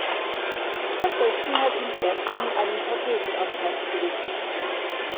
Stattdessen hat ihm die Ärztin einen Katheter ans Herz gelegt.